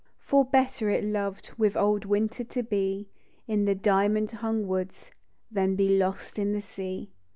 For better it loved With old Winter to be, In the di'mond hung woods, Than be lost in the sea.